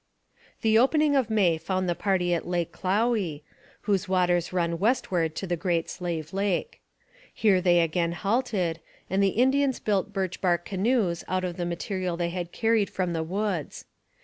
The opening of May found the party at Lake Clowey, whose waters run westward to the Great Slave Lake. Here they again halted, and the Indians built birch bark canoes out of the material they had carried from the woods.